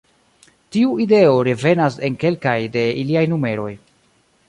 Tiu ideo revenas en kelkaj de iliaj numeroj.